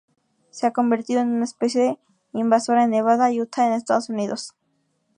Se ha convertido en una especie invasora en Nevada y Utah en Estados Unidos.